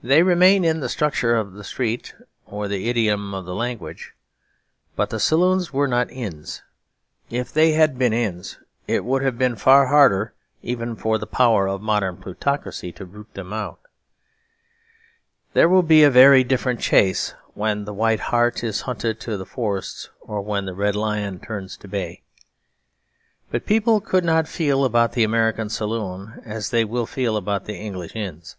They remain in the structure of the street and the idiom of the language. But the saloons were not inns. If they had been inns, it would have been far harder even for the power of modern plutocracy to root them out. There will be a very different chase when the White Hart is hunted to the forests or when the Red Lion turns to bay. But people could not feel about the American saloon as they will feel about the English inns.